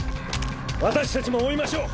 私たちも追いましょう。